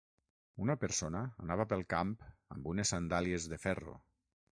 Una persona anava pel camp amb unes sandàlies de ferro.